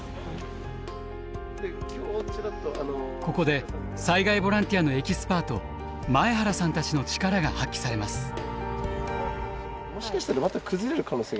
ここで災害ボランティアのエキスパート前原さんたちの力が発揮されます。